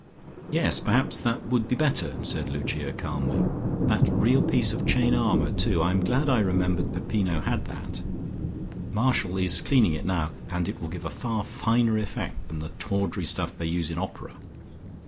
"Yes, perhaps that would be better," said Lucia calmly. "That real piece of chain armour too, I am glad I remembered Peppino had that. Marshall is cleaning it now, and it will give a far finer effect than the tawdry stuff they use in opera.